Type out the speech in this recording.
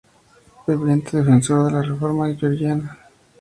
Ferviente defensor de la reforma gregoriana.